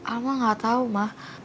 alma nggak tau ma